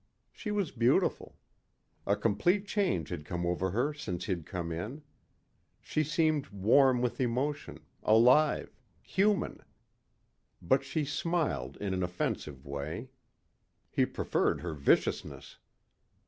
She was beautiful. A complete change had come over her since he'd come in. She seemed warm with emotion, alive, human. But she smiled in an offensive way. He preferred her viciousness.